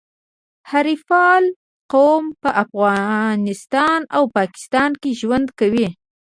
حریفال قوم په افغانستان او پاکستان کي ژوند کوي.